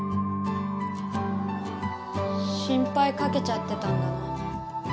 心配かけちゃってたんだな。